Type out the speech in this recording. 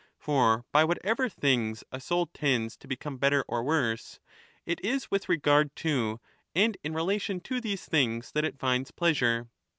For by whatever things a soul tends "" to become better or worse, it is with regard to and in rela 4° tion to these things that it finds pleasure.